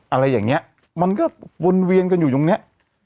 อะไรอย่างนี้มันก็วนเวียนกันอยู่ตรงเนี้ย